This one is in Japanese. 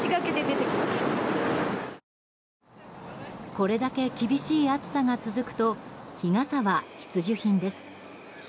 これだけ厳しい暑さが続くと日傘は必需品です。